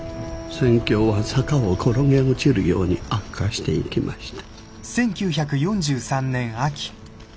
戦況は坂を転げ落ちるように悪化していきました。